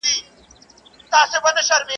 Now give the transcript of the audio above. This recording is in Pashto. بې ما بې شل نه کې.